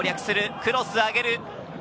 クロスを上げる。